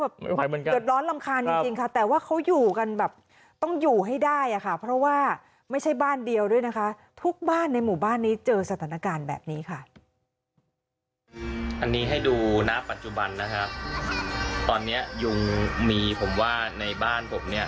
อันนี้ให้ดูนะปัจจุบันนะครับตอนนี้ยุงมีผมว่าในบ้านผมเนี่ย